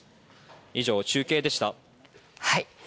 以上、中継でした。